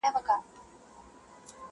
شاوخوا یې باندي ووهل څرخونه,